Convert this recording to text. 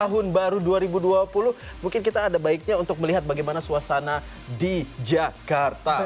tahun baru dua ribu dua puluh mungkin kita ada baiknya untuk melihat bagaimana suasana di jakarta